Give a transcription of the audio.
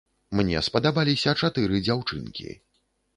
Мне спадабаліся чатыры дзяўчынкі.